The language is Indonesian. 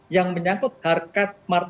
yang menyangkut harkat masyarakat